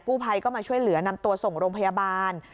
กู้ภัยก็มาช่วยเหลือนำตัวส่งโรงพยาบาล